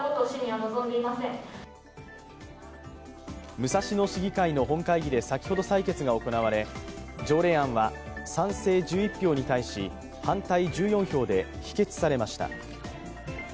武蔵野市議会の本会議で先ほど採決が行われ条例案は賛成１１票に対し反対１４票で否決されました。